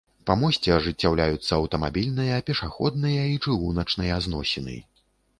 Па мосце ажыццяўляюцца аўтамабільныя, пешаходныя і чыгуначныя зносіны.